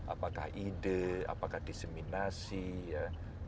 apakah ide apakah diseminasi ya